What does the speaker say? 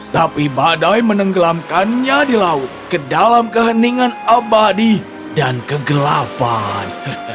tapi badai menenggelamkannya di laut ke dalam keheningan abadi dan kegelapan